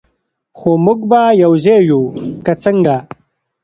خو موږ به یو ځای یو، که څنګه؟